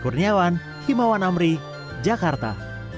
kurniawan himawan amri jakarta